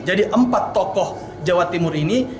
jadi empat tokoh jawa timur ini